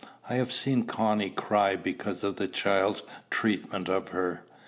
I have seen Connie cry because of the child's treatment of her.